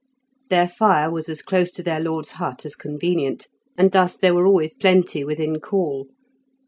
Their fire was as close to their lord's hut as convenient, and thus there were always plenty within call.